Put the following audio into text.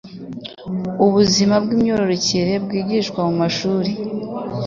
ubuzima bw'imyororokere bwigishwa mumashuri